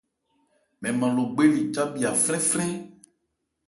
Mɛn nman Logbe li cábhiya frɛ́nfrɛ́n.